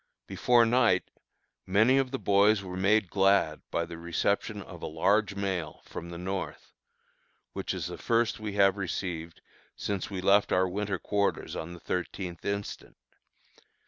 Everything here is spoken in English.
Before night, many of the boys were made glad by the reception of a large mail from the North, which is the first we have received since we left our winter quarters on the thirteenth instant.